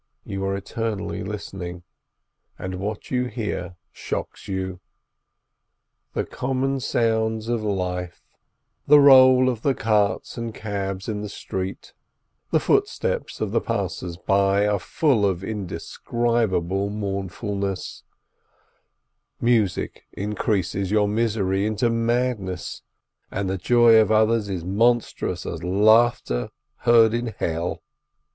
You are eternally listening, and what you hear shocks you; the common sounds of life, the roll of the carts and cabs in the street, the footsteps of the passers by, are full of an indescribable mournfulness; music increases your misery into madness, and the joy of others is monstrous as laughter heard in hell.